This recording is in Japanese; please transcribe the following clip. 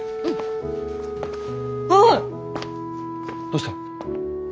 どうした？